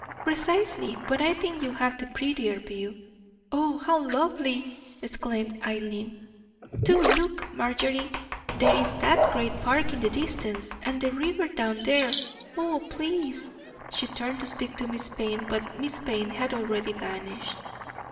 "Precisely; but I think you have the prettier view." "Oh, how lovely!" exclaimed Eileen. "Do look, Marjorie; there is that great park in the distance, and the river down there. Oh, please——" She turned to speak to Miss Payne, but Miss Payne had already vanished.